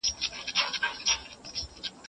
روغتیايي زده کړې په کورنیو کي پیل کړئ.